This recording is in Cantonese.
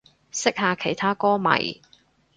識下其他歌迷